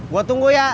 gue tunggu ya